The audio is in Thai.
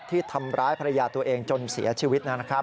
ที่ทำร้ายภรรยาตัวเองจนเสียชีวิตนะครับ